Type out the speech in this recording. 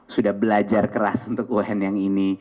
sudah belajar keras untuk un yang ini